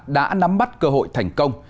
đã nắm bắt cơ hội thành công